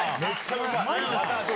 うまい！